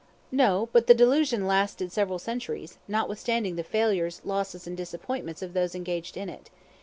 No; but the delusion lasted several centuries, notwithstanding the failures, losses, and disappointments of those engaged in it.